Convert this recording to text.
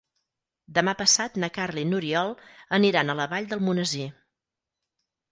Demà passat na Carla i n'Oriol aniran a la Vall d'Almonesir.